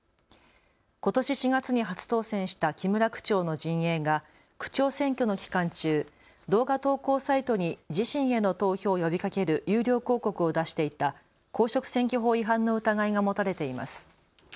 ことし４月に初当選した木村区長の陣営が区長選挙の期間中、動画投稿サイトに自身への投票を呼びかける有料広告を出していた公職選挙法違反の疑いが持たれています。